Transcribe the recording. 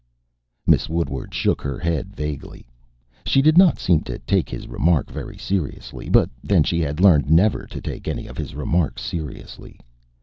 Miss Woodward shook her head vaguely. She did not seem to take his remark very seriously, but then, she had learned never to take any of his remarks seriously.